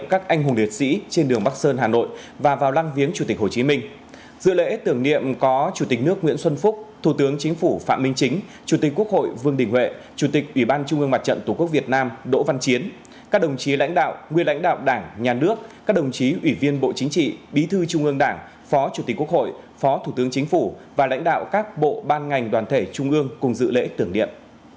chủ tịch quốc hội vương đình huệ chủ tịch ủy ban trung ương mặt trận tổ quốc việt nam đỗ văn chiến các đồng chí lãnh đạo nguyên lãnh đạo đảng nhà nước các đồng chí ủy viên bộ chính trị bí thư trung ương đảng phó chủ tịch quốc hội phó thủ tướng chính phủ và lãnh đạo các bộ ban ngành đoàn thể trung ương cùng dự lễ tưởng niệm